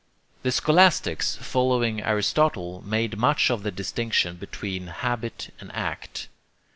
The scholastics, following Aristotle, made much of the distinction between habit and act.